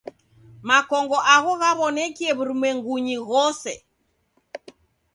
Makongo agho ghaw'onekie w'urumwengunyi ghose.